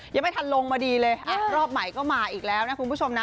ยังไม่ทันลงมาดีเลยรอบใหม่ก็มาอีกแล้วนะคุณผู้ชมนะ